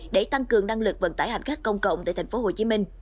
để tăng cường năng lực vận tải hành khách công cộng tại tp hcm